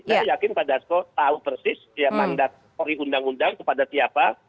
saya yakin pak dasko tahu persis ya mandat ori undang undang kepada siapa